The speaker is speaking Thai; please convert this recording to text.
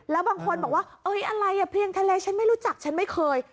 แล้วบางคนบอกว่าอะไรอ่ะเพลียงทะเลฉันไม่รู้จักฉันไม่เคย